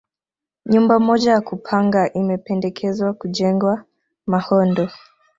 Nyumba moja ya kupanga imependekezwa kujengwa Mahondo